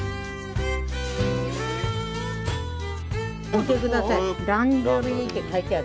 見て下さい。